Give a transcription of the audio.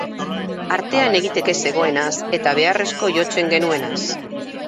Artean egiteke zegoenaz eta beharrezko jotzen genuenaz.